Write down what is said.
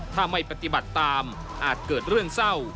ถ้าไม่ปฏิบัติตามอาจเกิดเรื่องเศร้า